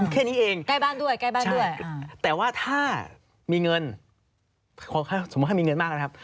แค่นี้เองใช่แต่ว่าถ้ามีเงินสมมุติว่ามีเงินมากนะครับ